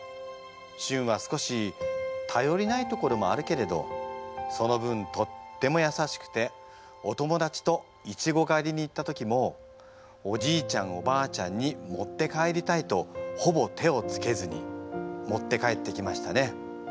しゅんは少したよりないところもあるけれどその分とってもやさしくてお友達といちごがりに行った時もおじいちゃんおばあちゃんに持って帰りたいとほぼ手をつけずに持って帰ってきましたね。